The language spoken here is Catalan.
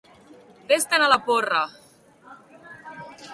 Ves-te'n a la porra!